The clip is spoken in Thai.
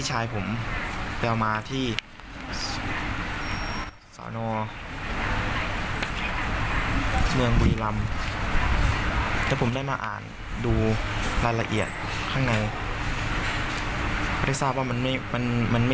หลายอย่าง